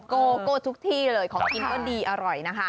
โกโก้ทุกที่เลยของกินก็ดีอร่อยนะคะ